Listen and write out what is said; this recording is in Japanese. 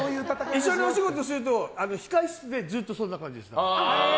一緒にお仕事すると控室でずっとそんな感じです。